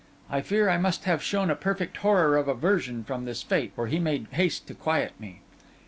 I fear I must have shown a perfect horror of aversion from this fate, for he made haste to quiet me.